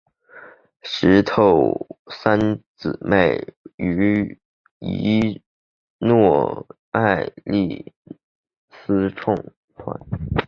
石头三姊妹于布宜诺斯艾利斯创团。